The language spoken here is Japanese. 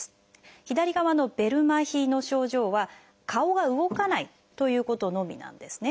左側のベル麻痺の症状は顔が動かないということのみなんですね。